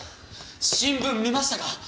新聞見ましたか？